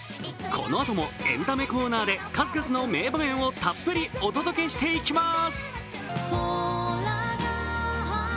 このあともエンタメコーナーで数々の名場面をたっぷりお届けしていきます。